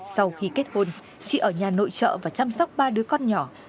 sau khi kết hôn chị ở nhà nội trợ và chăm sóc ba đứa con nhỏ